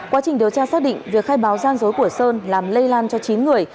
quá trình điều tra xác định việc khai báo gian dối của sơn làm lây lan cho chín người